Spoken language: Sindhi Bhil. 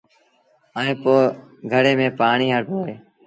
ائيٚݩ پو گھڙي ميݩ پآڻيٚ هڻبو اهي۔